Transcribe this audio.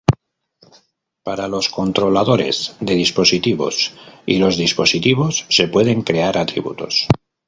Para los controladores de dispositivos y los dispositivos, se pueden crear atributos.